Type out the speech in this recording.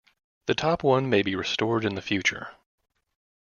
The top one may be restored in the future.